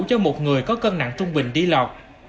cho một người có cân nặng trung bình đi lọt